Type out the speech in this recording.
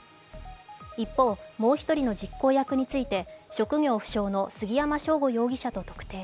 一方、もう１人の実行役について職業不詳の杉山翔吾容疑者と特定。